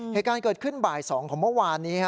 เหตุการณ์เกิดขึ้นบ่าย๒ของเมื่อวานนี้